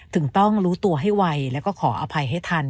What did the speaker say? ถึงต้องรู้ตัวให้ไวแล้วก็ขออภัยให้ทัน